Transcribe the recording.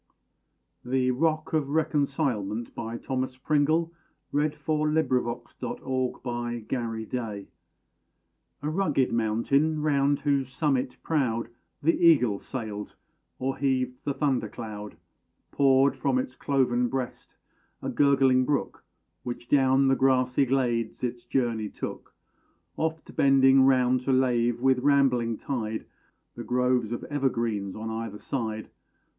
THE ROCK OF RECONCILEMENT. A rugged mountain, round whose summit proud The eagle sailed, or heaved the thunder cloud, Poured from its cloven breast a gurgling brook, Which down the grassy glades its journey took; Oft bending round to lave, with rambling tide, The groves of evergreens on either side.